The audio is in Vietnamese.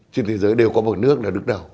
trên thế giới đều có một nước là bước đầu